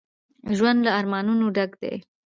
ژوند له ارمانونو ډک دی